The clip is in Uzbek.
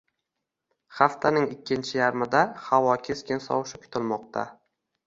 Haftaning ikkinchi yarmida havo keskin sovushi kutilmoqdang